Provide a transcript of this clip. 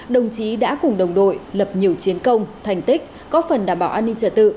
đồng chí đã cùng đồng đội lập nhiều chiến công thành tích có phần đảm bảo an ninh trật tự